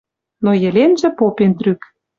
Но Еленжӹ попен трӱк;